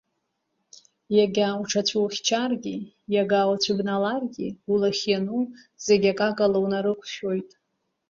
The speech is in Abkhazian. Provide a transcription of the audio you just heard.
Егьа уҽацәухьчаргьы, егьа уацәыбналаргьы, улахь иану зегьы акакала унарықәшәоит.